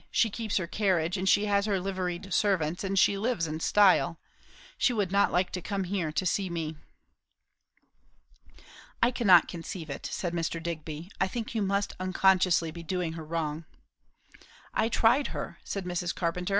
She keeps her carriage, and she has her liveried servants, and she lives in style. She would not like to come here to see me." "I cannot conceive it," said Mr. Digby. "I think you must unconsciously be doing her wrong." "I tried her," said Mrs. Carpenter.